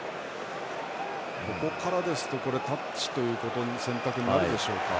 ここからですとタッチという選択になるでしょうか。